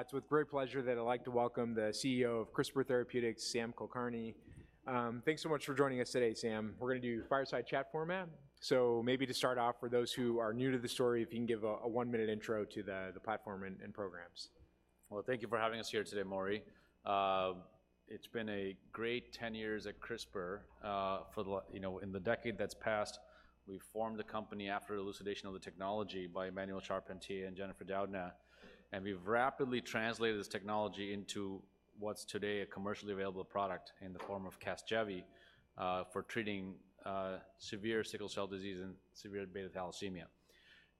It's with great pleasure that I'd like to welcome the CEO of CRISPR Therapeutics, Sam Kulkarni. Thanks so much for joining us today, Sam. We're gonna do fireside chat format. So maybe to start off, for those who are new to the story, if you can give a one-minute intro to the platform and programs. Well, thank you for having us here today, Maury. It's been a great 10 years at CRISPR. You know, in the decade that's passed, we formed the company after elucidation of the technology by Emmanuelle Charpentier and Jennifer Doudna, and we've rapidly translated this technology into what's today a commercially available product in the form of Casgevy for treating severe sickle cell disease and severe beta thalassemia.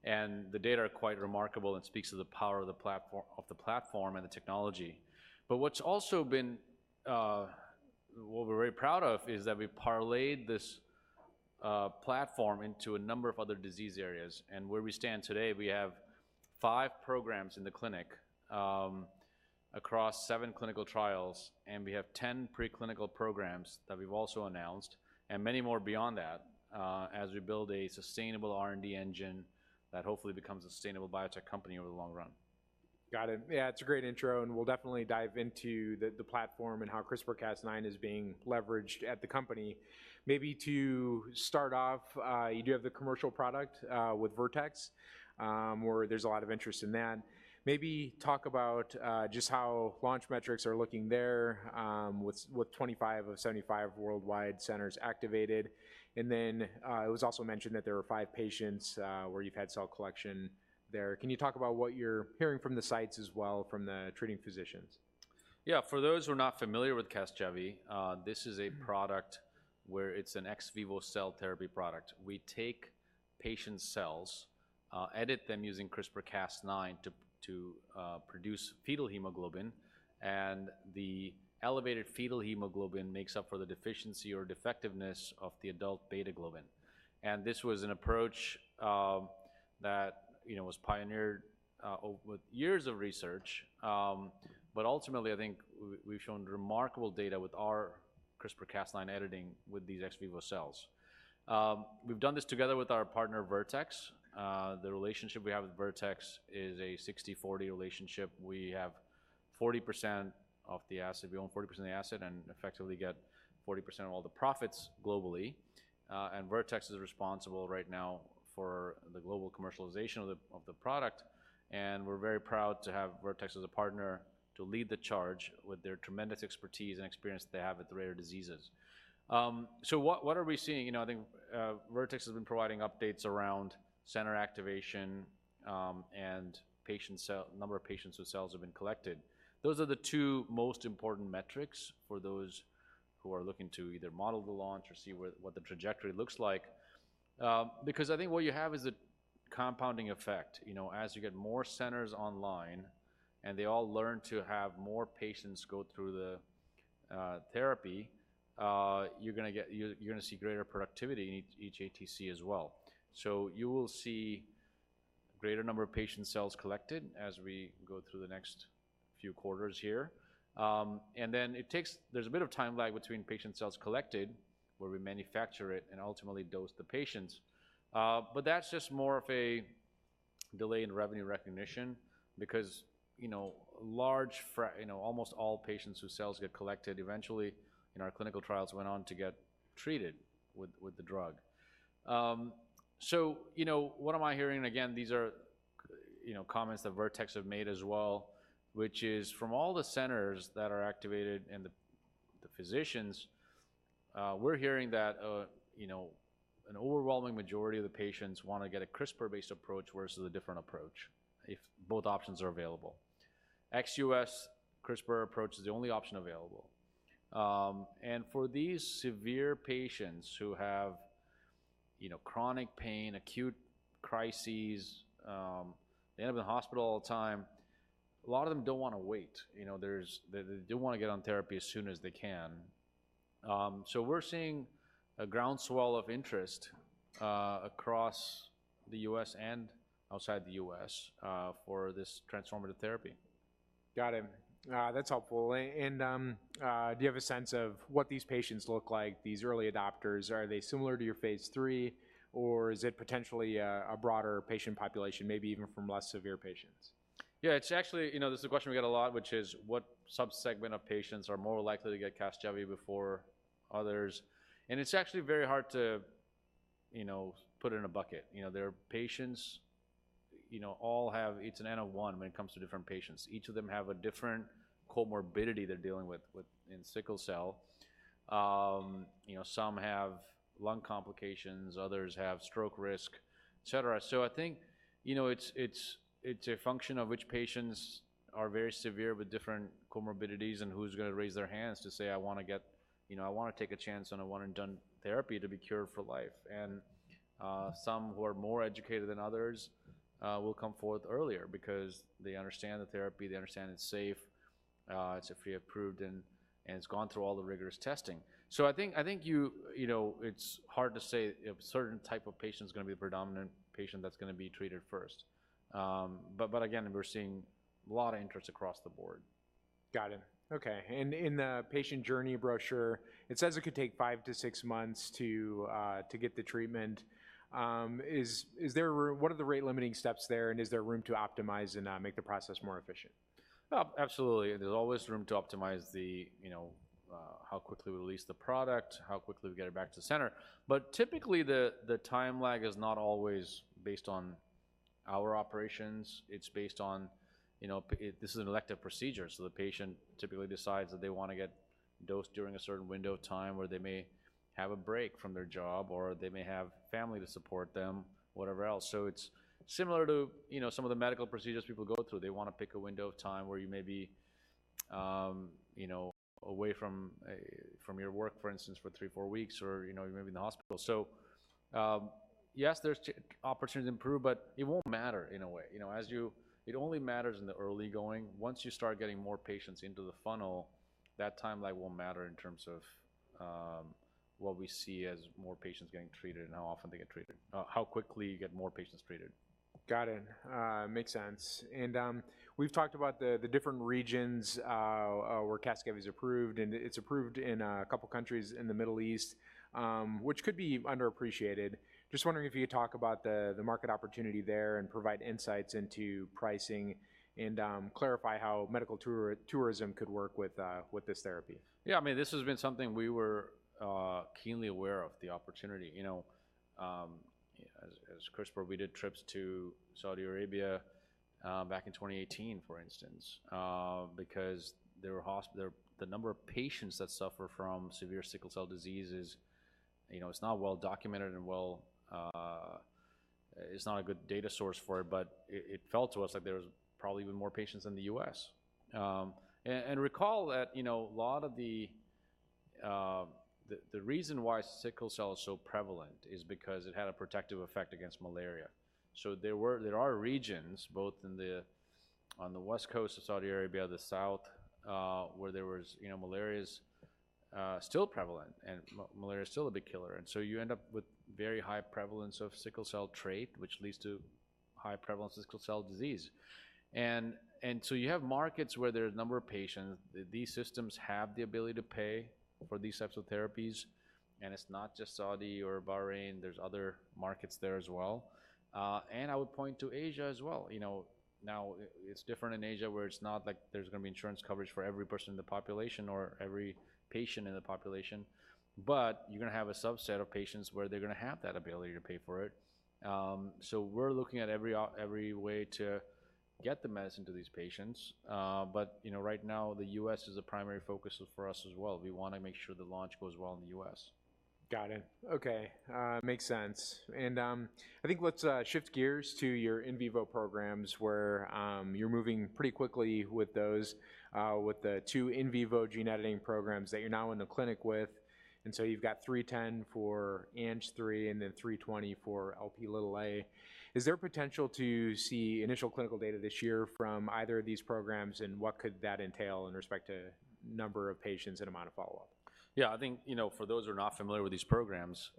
And the data are quite remarkable and speaks to the power of the platform, of the platform and the technology. But what's also been... What we're very proud of, is that we parlayed this platform into a number of other disease areas. Where we stand today, we have five programs in the clinic across seven clinical trials, and we have 10 preclinical programs that we've also announced, and many more beyond that, as we build a sustainable R&D engine that hopefully becomes a sustainable biotech company over the long run. Got it. Yeah, it's a great intro, and we'll definitely dive into the platform and how CRISPR-Cas9 is being leveraged at the company. Maybe to start off, you do have the commercial product with Vertex, where there's a lot of interest in that. Maybe talk about just how launch metrics are looking there, with 25 of 75 worldwide centers activated. Then, it was also mentioned that there were five patients where you've had cell collection there. Can you talk about what you're hearing from the sites as well, from the treating physicians? Yeah. For those who are not familiar with Casgevy, this is a product where it's an ex vivo cell therapy product. We take patients' cells, edit them using CRISPR-Cas9 to produce fetal hemoglobin, and the elevated fetal hemoglobin makes up for the deficiency or defectiveness of the adult beta globin. And this was an approach that you know was pioneered over years of research. But ultimately, I think we, we've shown remarkable data with our CRISPR-Cas9 editing with these ex vivo cells. We've done this together with our partner, Vertex. The relationship we have with Vertex is a 60/40 relationship. We have 40% of the asset. We own 40% of the asset and effectively get 40% of all the profits globally. And Vertex is responsible right now for the global commercialization of the, of the product, and we're very proud to have Vertex as a partner to lead the charge with their tremendous expertise and experience they have with rare diseases. So what, what are we seeing? You know, I think, Vertex has been providing updates around center activation, and patient cell, number of patients whose cells have been collected. Those are the two most important metrics for those who are looking to either model the launch or see where, what the trajectory looks like. Because I think what you have is a compounding effect. You know, as you get more centers online, and they all learn to have more patients go through the therapy, you're gonna see greater productivity in each ATC as well. So you will see greater number of patient cells collected as we go through the next few quarters here. And then it takes. There's a bit of time lag between patient cells collected, where we manufacture it, and ultimately dose the patients. But that's just more of a delay in revenue recognition because, you know, almost all patients whose cells get collected eventually, in our clinical trials, went on to get treated with the drug. So, you know, what am I hearing? Again, these are, you know, comments that Vertex have made as well, which is from all the centers that are activated and the physicians, we're hearing that, you know, an overwhelming majority of the patients wanna get a CRISPR-based approach versus a different approach if both options are available. Ex-U.S., CRISPR approach is the only option available. For these severe patients who have, you know, chronic pain, acute crises, they end up in the hospital all the time. A lot of them don't wanna wait, you know? There's... They wanna get on therapy as soon as they can. So we're seeing a groundswell of interest across the U.S. and outside the U.S. for this transformative therapy. Got it. That's helpful. Do you have a sense of what these patients look like, these early adopters? Are they similar to your Phase III, or is it potentially a broader patient population, maybe even from less severe patients? Yeah, it's actually... You know, this is a question we get a lot, which is, what subsegment of patients are more likely to get Casgevy before others? And it's actually very hard to, you know, put it in a bucket. You know, there are patients, you know. It's an N of one when it comes to different patients. Each of them have a different comorbidity they're dealing with in sickle cell. You know, some have lung complications, others have stroke risk, et cetera. So I think, you know, it's a function of which patients are very severe with different comorbidities and who's gonna raise their hands to say, "I wanna get. You know, I wanna take a chance on a one-and-done therapy to be cured for life." And, some who are more educated than others, will come forth earlier because they understand the therapy, they understand it's safe, it's FDA-approved, and, and it's gone through all the rigorous testing. So I think, I think you, you know, it's hard to say if a certain type of patient is gonna be the predominant patient that's gonna be treated first. But, but again, we're seeing a lot of interest across the board. Got it. Okay, and in the patient journey brochure, it says it could take five to six months to get the treatment. Is there room? What are the rate-limiting steps there, and is there room to optimize and make the process more efficient? Absolutely, there's always room to optimize the, you know, how quickly we release the product, how quickly we get it back to the center. But typically, the time lag is not always based on our operations. It's based on, you know, this is an elective procedure, so the patient typically decides that they wanna get dosed during a certain window of time, where they may have a break from their job, or they may have family to support them, whatever else. So it's similar to, you know, some of the medical procedures people go through. They wanna pick a window of time where you may be, you know, away from your work, for instance, for three or four weeks, or, you know, you may be in the hospital. So, yes, there's opportunity to improve, but it won't matter in a way. You know, it only matters in the early going. Once you start getting more patients into the funnel, that timeline won't matter in terms of what we see as more patients getting treated and how often they get treated, how quickly you get more patients treated. Got it. Makes sense. We've talked about the different regions where Casgevy is approved, and it's approved in a couple of countries in the Middle East, which could be underappreciated. Just wondering if you could talk about the market opportunity there, and provide insights into pricing, and clarify how medical tourism could work with this therapy. Yeah, I mean, this has been something we were keenly aware of, the opportunity. You know, as CRISPR, we did trips to Saudi Arabia back in 2018, for instance, because there were the number of patients that suffer from severe sickle cell disease is. You know, it's not well documented and well, it's not a good data source for it, but it felt to us like there was probably even more patients than the U.S. And recall that, you know, a lot of the, the reason why sickle cell is so prevalent is because it had a protective effect against malaria. So there were, there are regions, both in the on the west coast of Saudi Arabia, the south, where there was, you know, malaria is still prevalent, and malaria is still a big killer. And so you end up with very high prevalence of sickle cell trait, which leads to high prevalence of sickle cell disease. And so you have markets where there are a number of patients. These systems have the ability to pay for these types of therapies, and it's not just Saudi or Bahrain, there's other markets there as well. And I would point to Asia as well, you know. Now, it's different in Asia, where it's not like there's gonna be insurance coverage for every person in the population or every patient in the population, but you're gonna have a subset of patients where they're gonna have that ability to pay for it. So we're looking at every way to get the medicine to these patients. But, you know, right now, the U.S. is a primary focus for us as well. We wanna make sure the launch goes well in the U.S. Got it. Okay, makes sense. And, I think let's, shift gears to your in vivo programs, where, you're moving pretty quickly with those, with the two in vivo gene editing programs that you're now in the clinic with. And so you've got CTX310 for ANGPTL3 and then CTX320 for Lp(a). Is there potential to see initial clinical data this year from either of these programs, and what could that entail in respect to number of patients and amount of follow-up? Yeah, I think, you know, for those who are not familiar with these programs,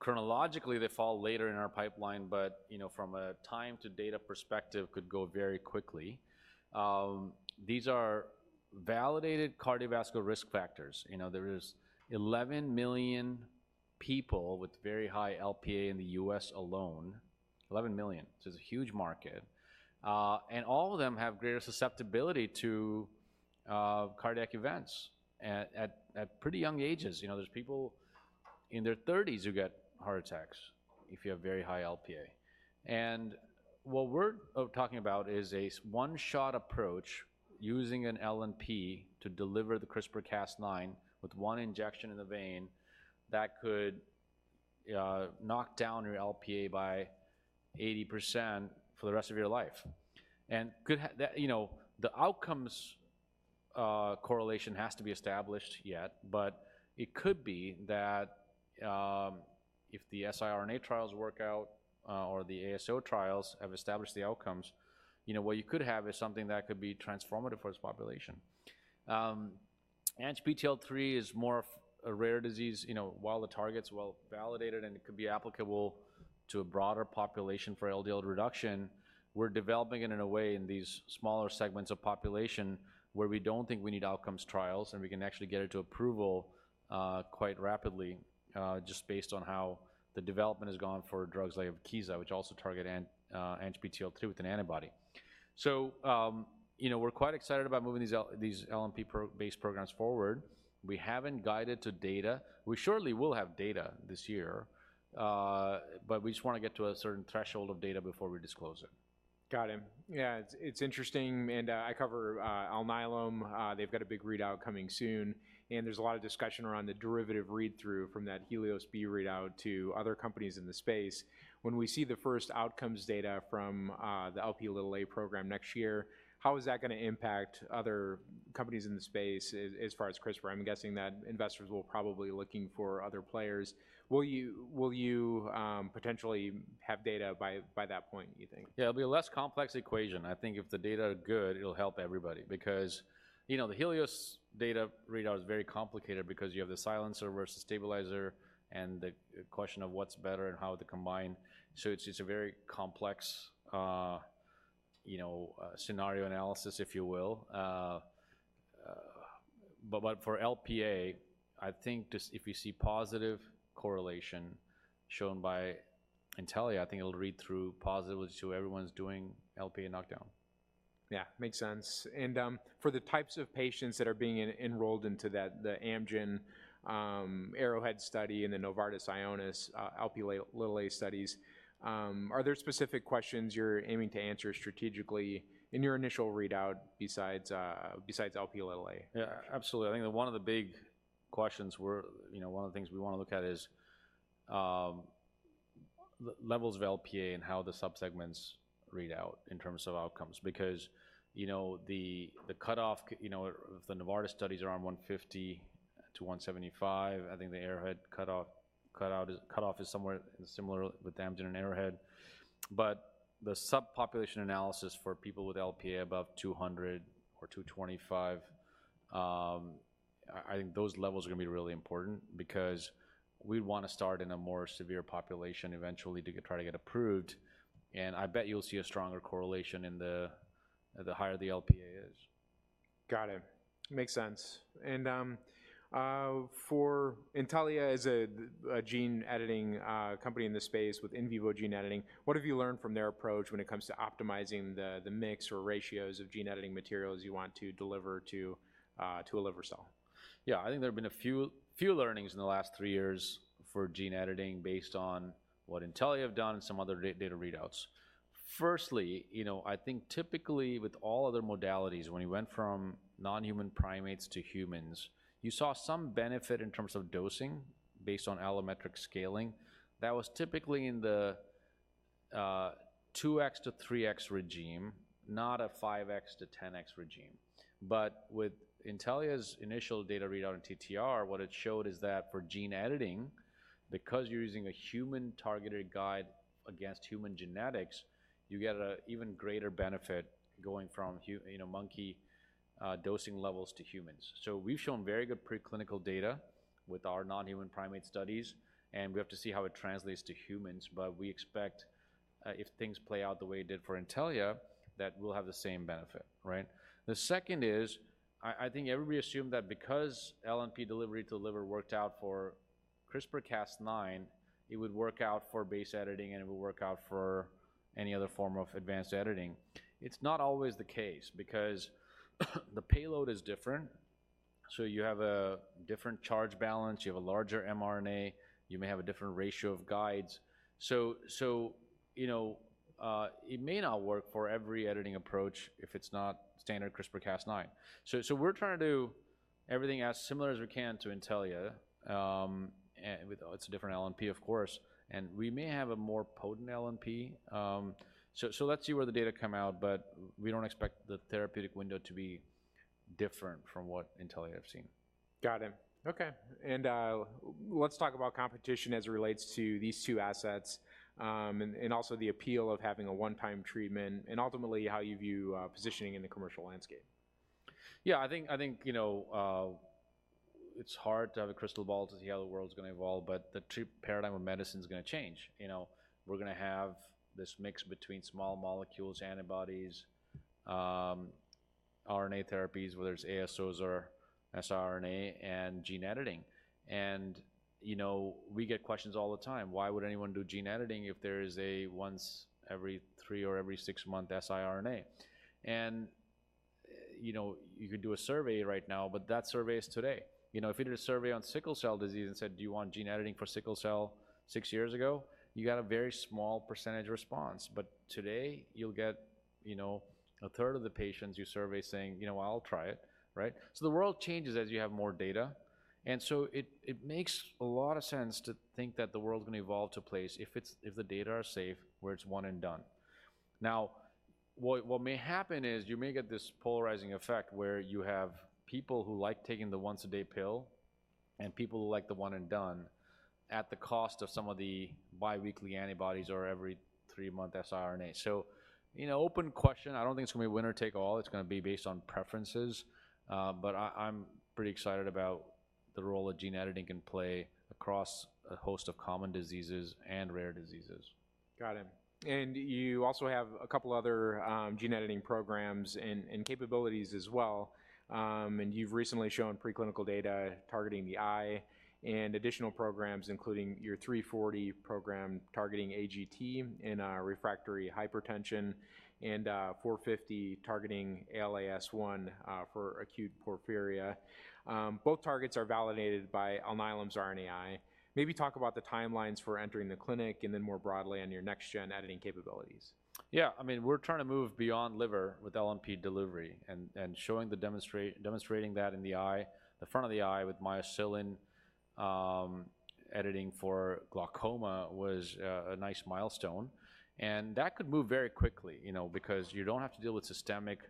chronologically, they fall later in our pipeline, but, you know, from a time to data perspective, could go very quickly. These are validated cardiovascular risk factors. You know, there is 11 million people with very high Lp(a) in the U.S. alone. 11 million, so it's a huge market. And all of them have greater susceptibility to cardiac events at pretty young ages. You know, there's people in their thirties who get heart attacks if you have very high Lp(a). And what we're talking about is a one-shot approach using an LNP to deliver the CRISPR-Cas9 with one injection in the vein that could knock down your Lp(a) by 80% for the rest of your life. And could that-- You know, the outcomes, correlation has to be established yet, but it could be that, if the siRNA trials work out, or the ASO trials have established the outcomes, you know, what you could have is something that could be transformative for this population. ANGPTL3 is more of a rare disease. You know, while the target's well-validated, and it could be applicable to a broader population for LDL reduction. We're developing it in a way in these smaller segments of population, where we don't think we need outcomes trials, and we can actually get it to approval, quite rapidly, just based on how the development has gone for drugs like Evkeeza, which also target ANGPTL3 with an antibody. So, you know, we're quite excited about moving these LNP based programs forward. We haven't guided to data. We surely will have data this year, but we just wanna get to a certain threshold of data before we disclose it. Got it. Yeah, it's, it's interesting, and, I cover Alnylam. They've got a big readout coming soon, and there's a lot of discussion around the derivative read-through from that HELIOS-B readout to other companies in the space. When we see the first outcomes data from the Lp(a) program next year, how is that gonna impact other companies in the space? As far as CRISPR, I'm guessing that investors will probably looking for other players. Will you potentially have data by that point, you think? Yeah, it'll be a less complex equation. I think if the data are good, it'll help everybody because... You know, the HELIOS data readout is very complicated because you have the silencer versus stabilizer and the, the question of what's better and how to combine. So it's a very complex, you know, scenario analysis, if you will. But for Lp(a), I think just if you see positive correlation shown by Intellia, I think it'll read through positively to everyone's doing Lp(a) knockdown. Yeah, makes sense. For the types of patients that are being enrolled into that, the Amgen, Arrowhead study and the Novartis Ionis, Lp(a) studies, are there specific questions you're aiming to answer strategically in your initial readout besides Lp(a)? Yeah, absolutely. I think that one of the big questions we're, you know, one of the things we wanna look at is the levels of Lp(a) and how the subsegments read out in terms of outcomes. Because, you know, the cutoff, you know, the Novartis studies are around 150-175. I think the Arrowhead cutoff is somewhere similar with Amgen and Arrowhead. But the subpopulation analysis for people with Lp(a) above 200 or 225, I think those levels are gonna be really important because we'd wanna start in a more severe population eventually to try to get approved, and I bet you'll see a stronger correlation in the higher the Lp(a) is. Got it. Makes sense. And, for Intellia as a gene editing company in this space with in vivo gene editing, what have you learned from their approach when it comes to optimizing the mix or ratios of gene editing materials you want to deliver to a liver cell? Yeah, I think there have been a few learnings in the last three years for gene editing based on what Intellia have done and some other data readouts. Firstly, you know, I think typically with all other modalities, when you went from non-human primates to humans, you saw some benefit in terms of dosing based on allometric scaling. That was typically in the 2x-3x regime, not a 5x-10x regime. But with Intellia's initial data readout on TTR, what it showed is that for gene editing, because you're using a human-targeted guide against human genetics, you get an even greater benefit going from you know, monkey dosing levels to humans. So we've shown very good preclinical data with our non-human primate studies, and we have to see how it translates to humans. But we expect, if things play out the way it did for Intellia, that we'll have the same benefit, right? The second is, I think everybody assumed that because LNP delivery to the liver worked out for CRISPR-Cas9, it would work out for base editing, and it would work out for any other form of advanced editing. It's not always the case because the payload is different, so you have a different charge balance, you have a larger mRNA, you may have a different ratio of guides. So, you know, it may not work for every editing approach if it's not standard CRISPR-Cas9. So, we're trying to do everything as similar as we can to Intellia. It's a different LNP, of course, and we may have a more potent LNP. Let's see where the data come out, but we don't expect the therapeutic window to be different from what Intellia have seen. Got it. Okay, and let's talk about competition as it relates to these two assets, and also the appeal of having a one-time treatment and ultimately, how you view positioning in the commercial landscape. Yeah, I think, I think, you know, it's hard to have a crystal ball to see how the world's gonna evolve, but the paradigm of medicine's gonna change. You know, we're gonna have this mix between small molecules, antibodies, RNA therapies, whether it's ASOs or siRNA, and gene editing. And, you know, we get questions all the time: "Why would anyone do gene editing if there is a once every three or every six month siRNA?" And, you know, you could do a survey right now, but that survey is today. You know, if you did a survey on sickle cell disease and said, "Do you want gene editing for sickle cell?" six years ago, you got a very small percentage response. But today, you'll get, you know, a third of the patients you survey saying, "You know, I'll try it," right? So the world changes as you have more data, and so it makes a lot of sense to think that the world's gonna evolve to a place, if the data are safe, where it's one and done. Now, what may happen is, you may get this polarizing effect where you have people who like taking the once-a-day pill and people who like the one and done, at the cost of some of the biweekly antibodies or every three-month siRNA. So, you know, open question, I don't think it's gonna be winner take all. It's gonna be based on preferences, but I'm pretty excited about the role that gene editing can play across a host of common diseases and rare diseases. Got it. And you also have a couple other gene editing programs and capabilities as well. And you've recently shown preclinical data targeting the eye and additional programs, including your 340 program targeting AGT in refractory hypertension and 450 targeting ALAS1 for acute porphyria. Both targets are validated by Alnylam's RNAi. Maybe talk about the timelines for entering the clinic and then more broadly on your next-gen editing capabilities. Yeah, I mean, we're trying to move beyond liver with LNP delivery and demonstrating that in the eye, the front of the eye with myocilin editing for glaucoma was a nice milestone, and that could move very quickly. You know, because you don't have to deal with systemic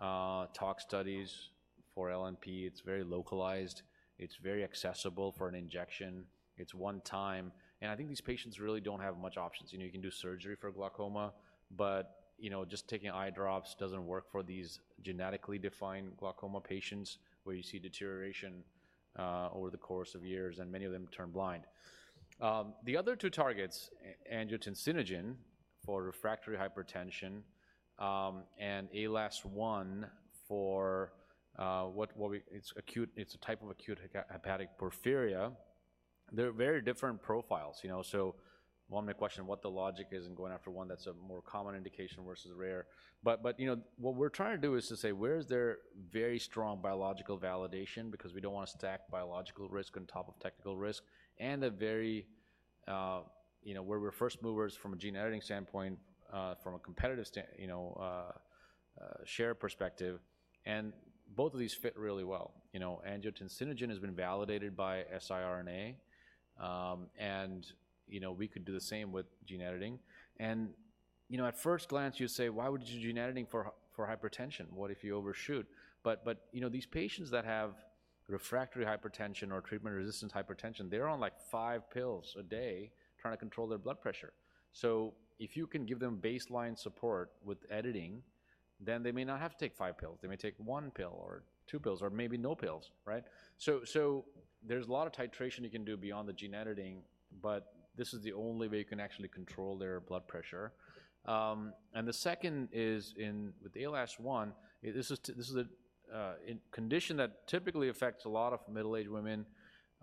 tox studies for LNP, it's very localized, it's very accessible for an injection, it's one time, and I think these patients really don't have much options. You know, you can do surgery for glaucoma, but, you know, just taking eye drops doesn't work for these genetically defined glaucoma patients, where you see deterioration over the course of years, and many of them turn blind. The other two targets, angiotensinogen for refractory hypertension, and ALAS1 for, what we—it's acute—it's a type of acute hepatic porphyria. They're very different profiles, you know, so one may question what the logic is in going after one that's a more common indication versus rare. But, you know, what we're trying to do is to say: Where is there very strong biological validation? Because we don't want to stack biological risk on top of technical risk and a very, you know, where we're first movers from a gene editing standpoint, from a competitive standpoint, you know, share perspective, and both of these fit really well. You know, angiotensinogen has been validated by siRNA, and, you know, we could do the same with gene editing. And, you know, at first glance, you'd say: Why would you do gene editing for hy- for hypertension? What if you overshoot? But you know, these patients that have refractory hypertension or treatment-resistant hypertension, they're on, like, five pills a day trying to control their blood pressure. So if you can give them baseline support with editing, then they may not have to take five pills. They may take one pill or two pills or maybe no pills, right? So there's a lot of titration you can do beyond the gene editing, but this is the only way you can actually control their blood pressure. And the second is with ALAS1, this is a condition that typically affects a lot of middle-aged women,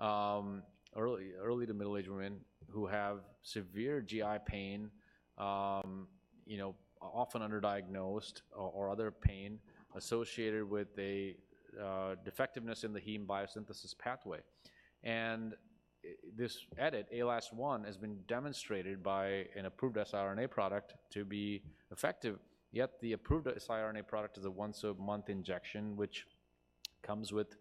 early to middle-aged women who have severe GI pain, you know, often underdiagnosed, or other pain associated with a defectiveness in the heme biosynthesis pathway. And this edit, ALAS1, has been demonstrated by an approved siRNA product to be effective, yet the approved siRNA product is a once a month injection, which comes with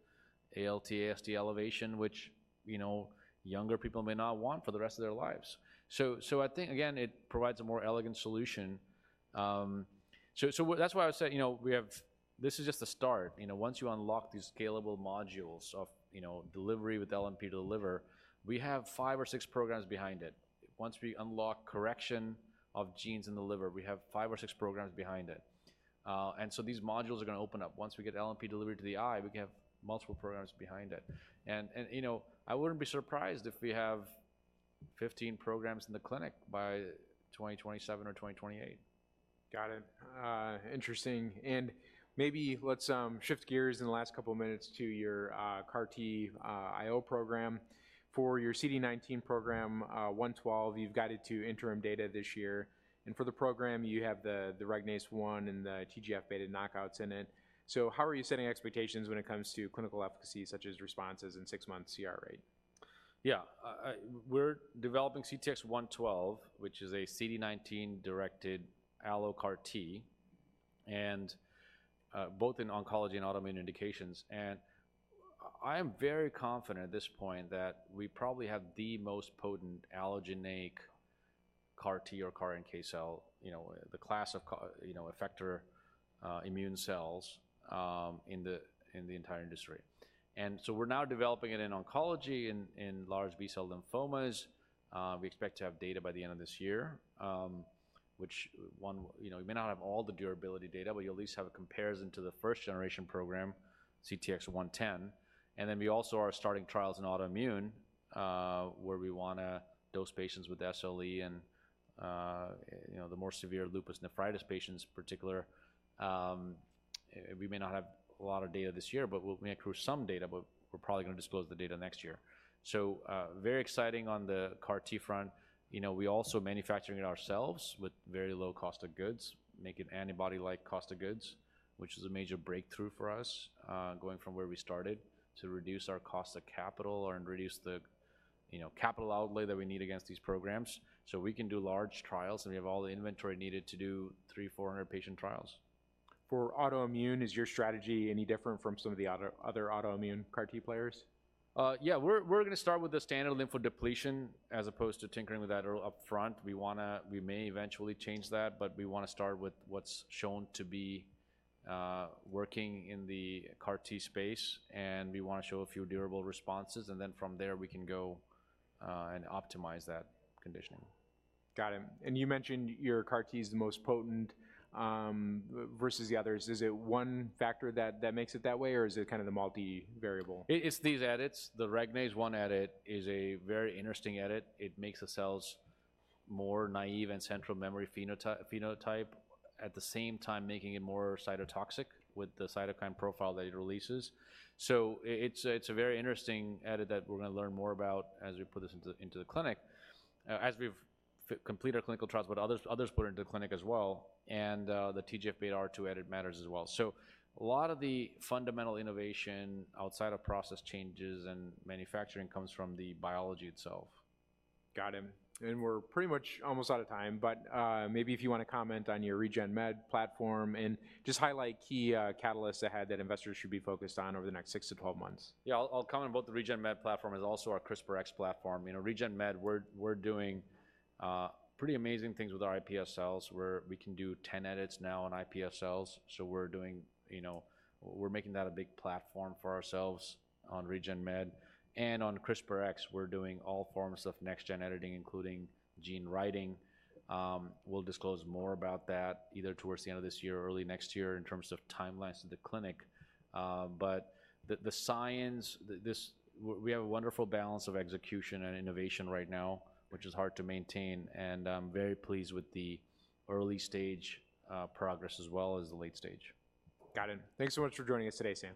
ALT/AST elevation, which, you know, younger people may not want for the rest of their lives. So, I think, again, it provides a more elegant solution. So what-- that's why I said, you know, we have. This is just a start. You know, once you unlock these scalable modules of, you know, delivery with LNP to the liver, we have five or six programs behind it. Once we unlock correction of genes in the liver, we have five or six programs behind it. And so these modules are gonna open up. Once we get LNP delivery to the eye, we can have multiple programs behind it. You know, I wouldn't be surprised if we have 15 programs in the clinic by 2027 or 2028. Got it. Interesting, and maybe let's shift gears in the last couple of minutes to your CAR T IO program. For your CD19 program, 112, you've guided to interim data this year, and for the program, you have the RAG1 and the TGF-beta knockouts in it. So how are you setting expectations when it comes to clinical efficacy, such as responses and six-month CR rate? Yeah. We're developing CTX112, which is a CD19-directed allo CAR T, and both in oncology and autoimmune indications. And I am very confident at this point that we probably have the most potent allogeneic CAR T or CAR NK cell, you know, the class of effector immune cells in the entire industry. And so we're now developing it in oncology, in large B-cell lymphomas. We expect to have data by the end of this year, which you know, we may not have all the durability data, but you'll at least have a comparison to the first-generation program, CTX110. And then we also are starting trials in autoimmune, where we wanna dose patients with SLE and you know, the more severe lupus nephritis patients in particular. We may not have a lot of data this year, but we'll may accrue some data, but we're probably gonna disclose the data next year. So, very exciting on the CAR T front. You know, we're also manufacturing it ourselves with very low cost of goods, make it antibody-like cost of goods, which is a major breakthrough for us, going from where we started, to reduce our cost of capital and reduce the, you know, capital outlay that we need against these programs. So we can do large trials, and we have all the inventory needed to do 300-400 patient trials. For autoimmune, is your strategy any different from some of the other autoimmune CAR T players? Yeah, we're gonna start with the standard lymphodepletion as opposed to tinkering with that up front. We wanna, we may eventually change that, but we wanna start with what's shown to be working in the CAR T space, and we wanna show a few durable responses, and then from there, we can go and optimize that conditioning. Got it. You mentioned your CAR T is the most potent versus the others. Is it one factor that makes it that way, or is it kind of the multivariable? It's these edits. The RAG1 edit is a very interesting edit. It makes the cells more naive and central memory phenotype, at the same time, making it more cytotoxic with the cytokine profile that it releases. So it's a, it's a very interesting edit that we're gonna learn more about as we put this into the, into the clinic, as we complete our clinical trials, but others, others put it into the clinic as well, and the TGF-beta R2 edit matters as well. So a lot of the fundamental innovation outside of process changes and manufacturing comes from the biology itself. Got it. We're pretty much almost out of time, but maybe if you wanna comment on your Regen Med platform and just highlight key catalysts ahead that investors should be focused on over the next six to 12 months. Yeah, I'll comment on both the Regen Med platform and also our CRISPR X platform. You know, Regen Med, we're doing pretty amazing things with our iPS cells, where we can do ten edits now on iPS cells, so we're doing, you know. We're making that a big platform for ourselves on Regen Med. And on CRISPR X, we're doing all forms of next-gen editing, including gene writing. We'll disclose more about that either towards the end of this year or early next year in terms of timelines to the clinic. But the science, this—we have a wonderful balance of execution and innovation right now, which is hard to maintain, and I'm very pleased with the early stage progress as well as the late stage. Got it. Thanks so much for joining us today, Sam.